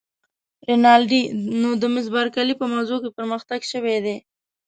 رینالډي: نو د مس بارکلي په موضوع کې پرمختګ شوی دی؟